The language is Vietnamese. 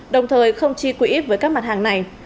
đồng thời không chi quỹ với các mặt hàng này